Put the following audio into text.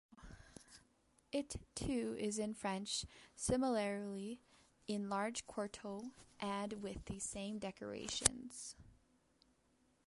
It, too, is in French, similarly in large quarto and with the same decorations.